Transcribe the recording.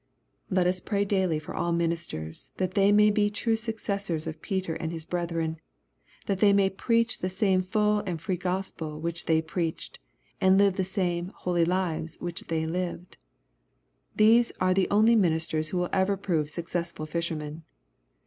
Let us pray daily for all ministers that they may be true successors of Pete* and his brethren, that they may preach the same full and free Gospel which they preached, and live the same holy lives which they lived. These are the only ministers who will ever prove suc cessful fishermen.